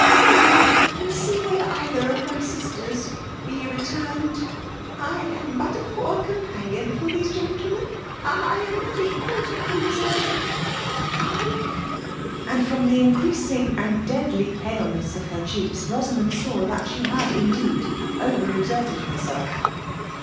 — Go ! und see whether either of my sisters be rettumed. I 164 FEMALE DOMINATION. am hut a poor companion for these gentlemen. I am not equal to conversation> I — I —*' And from the increasing and deadly pale* ness of her cheeks, Rosamond saw that she had indeed over exerted herself.